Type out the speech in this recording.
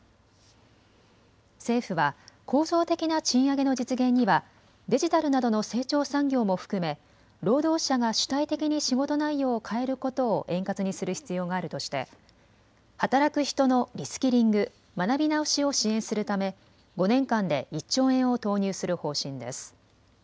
政府は構造的な賃上げの実現にはデジタルなどの成長産業も含め労働者が主体的に仕事内容を変えることを円滑にする必要があるとして働く人のリスキリング・学び直しを支援するため５年間で１兆円を投入する方針です。